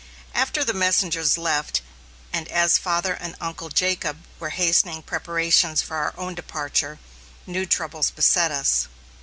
After the messengers left, and as father and Uncle Jacob were hastening preparations for our own departure, new troubles beset us.